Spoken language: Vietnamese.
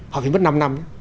họ phải mất năm năm